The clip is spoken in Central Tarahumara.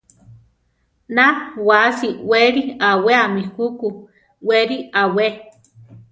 Na wáasi wéli aweami juku; weri awé.